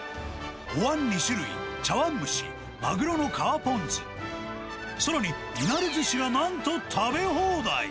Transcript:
おわん２種類、茶わん蒸し、マグロの皮ポン酢、さらにいなりずしがなんと食べ放題。